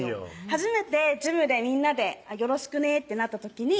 初めてジムでみんなでよろしくねってなった時に